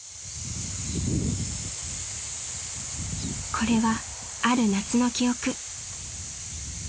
［これはある夏の記憶］